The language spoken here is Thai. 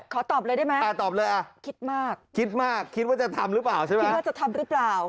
ขอตอบเลยได้ไหมคิดมากคิดว่าจะทำหรือเปล่าใช่ไหมคิดว่าจะทำหรือเปล่า